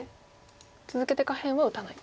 続けて下辺は打たない。